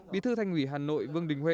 bí thư thành ủy hà nội vương đình huệ